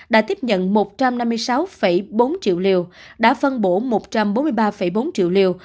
đã tiếp nhận một trăm năm mươi sáu bốn triệu liều đã phân bổ một trăm bốn mươi ba bốn triệu liều